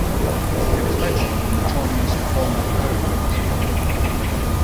It is mentioned in the "Chinese Pharmacopoeia".